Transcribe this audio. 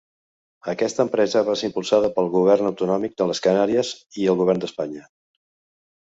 Aquesta empresa va ser impulsada pel govern autonòmic de les Canàries i el govern d'Espanya.